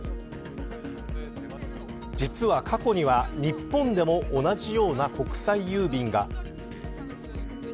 実は過去には日本でも同じような国際郵便が。